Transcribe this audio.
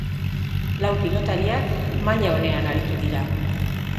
Lau pilotariak maila onean aritu dira.